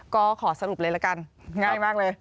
ก็ขอสรุปเลยละกันง่ายมากเลย